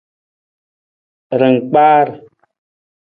Rangkpaar.